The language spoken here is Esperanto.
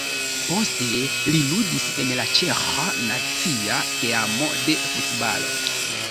Poste li ludis en la ĉeĥa nacia teamo de futbalo.